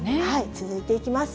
続いていきます。